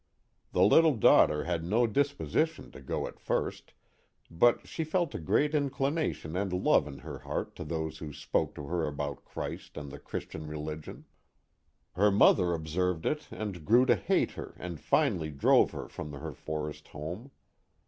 The little daughter had no disposition to go at first, but she felt a great inclination and love in her heart to those who spoke to her about Christ and the Christian religion. Her mother observed it and grew to hate her and finally drove her from her forest home.